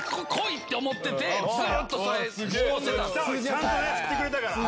ちゃんと振ってくれたから。